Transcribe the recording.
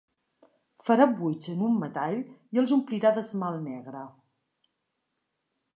Farà buits en un metall i els omplirà d'esmalt negre.